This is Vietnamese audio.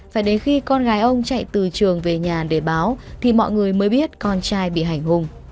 phải đến khi con gái ông chạy từ trường về nhà để báo thì mọi người mới biết con trai bị hành hùng